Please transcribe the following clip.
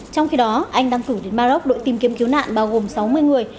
trong khi đó anh đang cử đến mà rốc đội tìm kiếm cứu nạn bao gồm sáu mươi người